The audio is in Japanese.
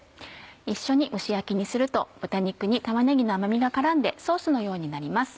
一緒に蒸し焼きにすると豚肉に玉ねぎの甘みが絡んでソースのようになります。